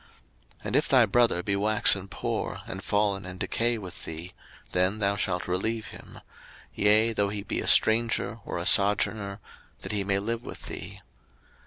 03:025:035 And if thy brother be waxen poor, and fallen in decay with thee; then thou shalt relieve him: yea, though he be a stranger, or a sojourner; that he may live with thee.